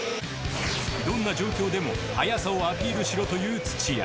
どんな状況でも速さをアピールしろという土屋。